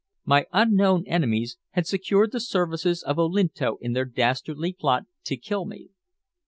My unknown enemies had secured the services of Olinto in their dastardly plot to kill me.